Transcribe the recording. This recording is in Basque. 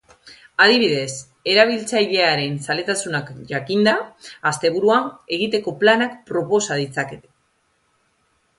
Adibidez, erabiltzailearen zaletasunak jakinda, asteburuan egiteko planak proposa ditzake.